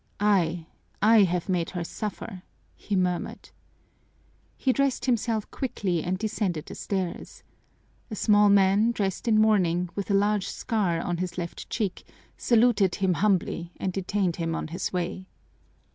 "I, I have made her suffer," he murmured. He dressed himself quickly and descended the stairs. A small man, dressed in mourning, with a large scar on his left cheek, saluted him humbly, and detained him on his way.